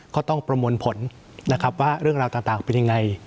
ก็ต้องประมวลผลนะครับว่าเรื่องราวต่างเป็นยังไง